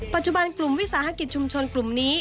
ปัจจุบันกลุ่มวิสาหกิจชุมชนกลุ่มนี้